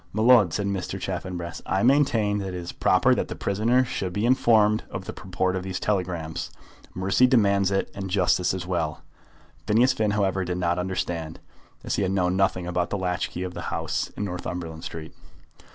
"My lud," said Mr. Chaffanbrass, "I maintain that it is proper that the prisoner should be informed of the purport of these telegrams. Mercy demands it, and justice as well." Phineas Finn, however, did not understand, as he had known nothing about the latch key of the house in Northumberland Street.